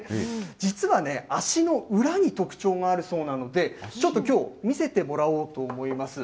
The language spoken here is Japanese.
実はね、足の裏に特徴があるそうなので、ちょっときょう、見せてもらおうと思います。